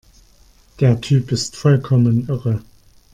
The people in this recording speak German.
Der Typ ist vollkommen irre!